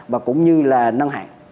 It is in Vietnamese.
và cũng như là nâng hạng